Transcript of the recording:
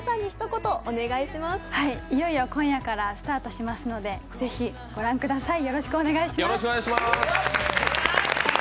いよいよ今夜からスタートしますので、ぜひ御覧ください、よろしくお願いします。